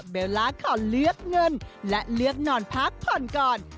เวลาขอเลือกเงินและเลือกนอนพักผ่อนก่อน